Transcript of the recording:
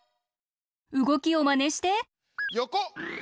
うごきをまねして！